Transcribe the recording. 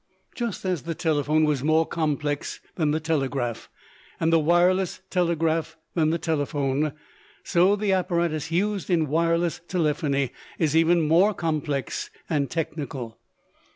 Just as the telephone was more complex than the telegraph, and the wireless telegraph than the telephone, so the apparatus used in wireless telephony is even more complex and technical.